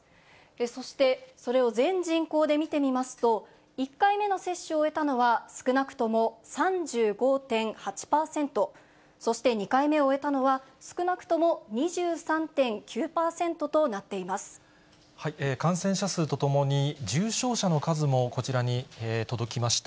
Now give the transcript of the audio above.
そしてそれを全人口で見てみますと、１回目の接種を終えたのは、少なくとも３５．８％、そして２回目を終えたのは、少なくとも２３．９％となってい感染者数とともに重症者の数もこちらに届きました。